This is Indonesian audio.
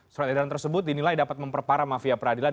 surat edaran tersebut dinilai dapat memperparah mafia peradilan